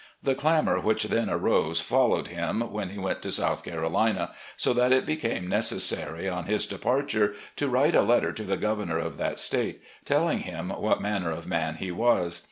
The clamour which then arose followed him when he went to South Carolina, so that it became neces sary on his departure to write a letter to the Governor of that State, telling him what manner of man he was.